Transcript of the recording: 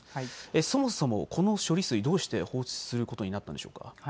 そもそもこの処理水、どうして放出することになったんでしょうか。